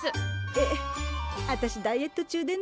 えっあたしダイエット中でね